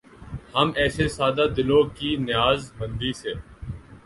ہم ایسے سادہ دلوں کی نیاز مندی سے